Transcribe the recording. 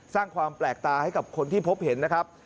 สร้างความแปลกตาให้กับคนที่พบเห็นนะครับ